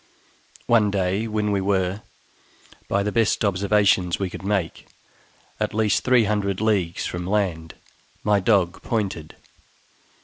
One day, when we were, by the best observations we could make, at least three hundred leagues from land, my dog pointed.